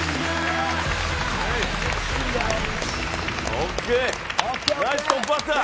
オーケー。